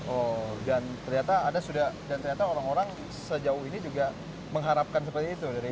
oh dan ternyata ada sudah dan ternyata orang orang sejauh ini juga mengharapkan seperti itu